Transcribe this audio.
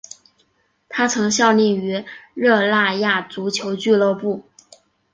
他曾效力于热那亚足球俱乐部。